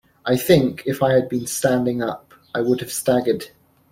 I think, if I had been standing up, I would have staggered.